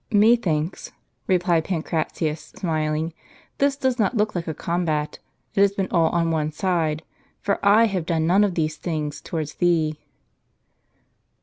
" Methinks," replied Pancratius, smiling, "this does not look like a combat. It has been all on one side ; for / have done none of these things towards thee."